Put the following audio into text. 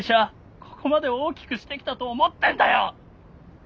ここまで大きくしてきたと思ってんだよ！